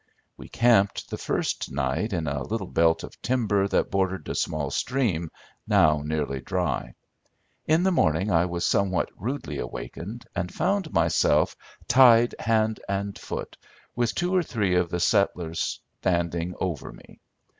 "We camped the first night in a little belt of timber that bordered a small stream, now nearly dry. In the morning I was somewhat rudely awakened, and found myself tied hand and foot, with two or three of the settlers standing over me.